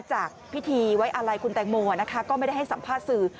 จากพิธีไว้อาลัยคุณแตงโมนะคะก็ไม่ได้ให้สัมภาษณ์สื่อ